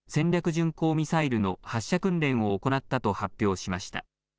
巡航ミサイルの発射訓練を行ったと発表しました。